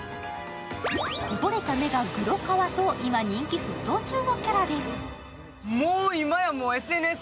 こぼれた目がグロカワと今、人気沸騰中のキャラです。